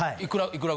いくら？